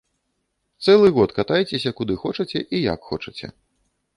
Цэлы год катайцеся куды хочаце і як хочаце.